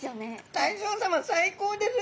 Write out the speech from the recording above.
大将さま最高です！